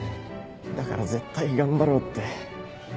だから絶対頑張ろうって。